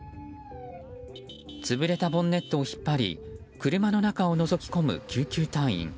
潰れたボンネットを引っ張り車の中をのぞき込む救急隊員。